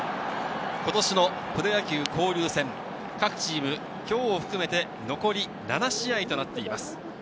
今年のプロ野球交流戦、各チーム、今日を含めて、残り７試合となっています。